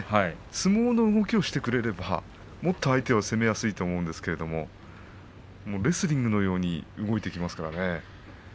相撲の動きをしてくれればもっと相手が攻めやすいと思うんですけれどもレスリングのように動いてきますからね。